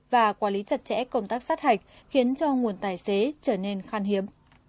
và quản lý chặt chẽ công tác sát hạch khiến cho nguồn tài xế trở nên khan hiếm